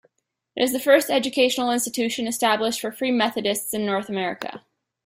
It is the first educational institution established for Free Methodists in North America.